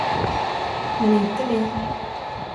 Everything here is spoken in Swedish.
Men inte vi.